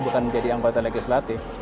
bukan menjadi anggota legislatif